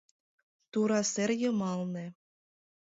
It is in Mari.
Тура сер йымалне.